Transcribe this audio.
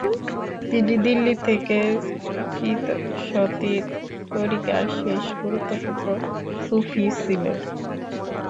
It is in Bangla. তিনি দিল্লী থেকে চিশতী তরিকার শেষ গুরুত্বপূর্ণ সুফি ছিলেন।